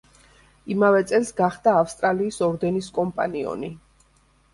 იმავე წელს გახდა ავსტრალიის ორდენის კომპანიონი.